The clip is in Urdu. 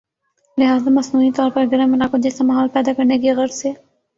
لہذا مصنوعی طور پر گرم علاقوں جیسا ماحول پیدا کرنے کی غرض سے